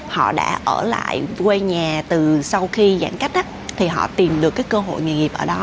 họ đã ở lại quê nhà từ sau khi giãn cách thì họ tìm được cái cơ hội nghề nghiệp ở đó